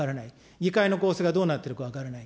議会の構成がどうなっているか分からない。